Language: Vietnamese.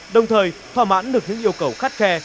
đồng thời thỏa mãn được những yêu cầu khắt khe